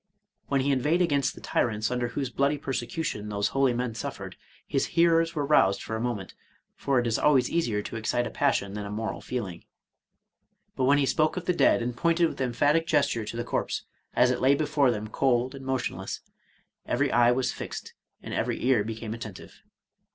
When he inveighed against the tyrants under whose bloody persecution those holy men suffered, his hearers were roused for a moment, for it is always easier to excite a pas sion than a moral feeling. But when he spoke of the dead, and pointed with emphatic gesture to the corse, as it lay before them cold and motionless, every eye was fixed, and every ear became attentive.